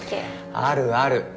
あるある。